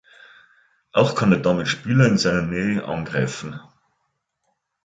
Auch kann er damit Spieler in seiner Nähe „angreifen“.